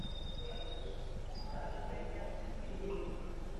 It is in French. Cela n’a pas été assez souligné.